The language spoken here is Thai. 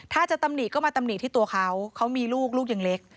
ถ้าจะตำหนิก็มาตำหนิที่ตัวเขาเขามีลูกลูกยังเล็ก